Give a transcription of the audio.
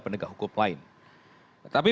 penegak hukum lain tapi